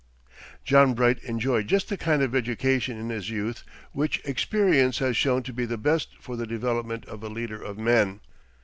John Bright enjoyed just the kind of education in his youth which experience has shown to be the best for the development of a leader of men.